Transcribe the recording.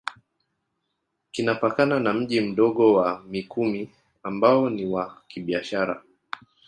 Kinapakana na Mji Mdogo wa Mikumi ambao ni wa kibiashara